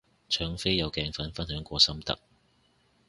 搶飛有鏡粉分享過心得